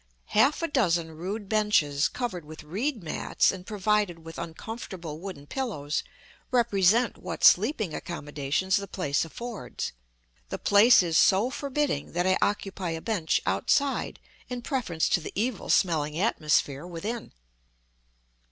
Half a dozen rude benches covered with reed mats and provided with uncomfortable wooden pillows represent what sleeping accommodations the place affords. The place is so forbidding that I occupy a bench outside in preference to the evil smelling atmosphere within.